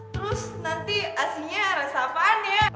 terus nanti aslinya rasa apaan ya